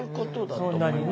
そんなにね。